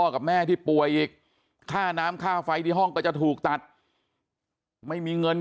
กับแม่ที่ป่วยอีกค่าน้ำค่าไฟที่ห้องก็จะถูกตัดไม่มีเงิน